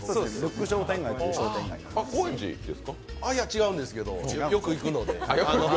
違うんですけど、よく行くので。